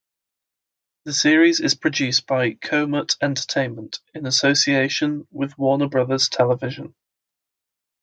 The series is produced by KoMut Entertainment in association with Warner Brothers Television.